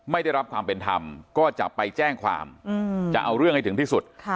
ไม่ได้รับความเป็นธรรมก็จะไปแจ้งความจะเอาเรื่องให้ถึงที่สุด